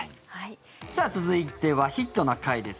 さあ、続いては「ヒットな会」です。